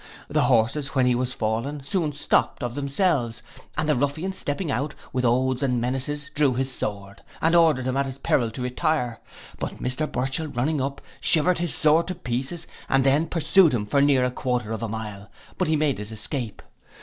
The horses when he was fallen soon stopt of themselves, and the ruffian stepping out, with oaths and menaces drew his sword, and ordered him at his peril to retire; but Mr Burchell running up, shivered his sword to pieces, and then pursued him for near a quarter of a mile; but he made his escape.